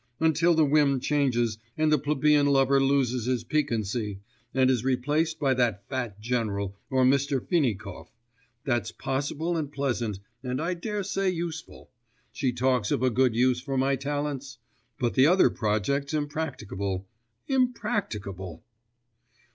until the whim changes and the plebeian lover loses his piquancy, and is replaced by that fat general or Mr. Finikov that's possible and pleasant, and I dare say useful.... She talks of a good use for my talents?... but the other project's impracticable, impracticable....